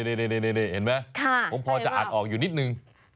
นี่เห็นไหมผมพอจะอ่านออกอยู่นิดนึง